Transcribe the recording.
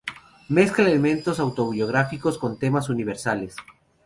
Mezcla elementos autobiográficos con temas universales.